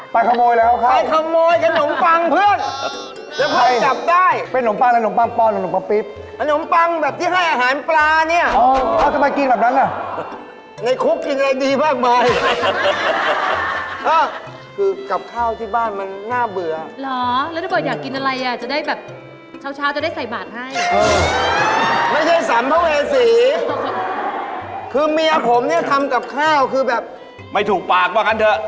ไปขโมยแล้วเขาเข้าไปขโมยกับหนุ่มปังเพื่อน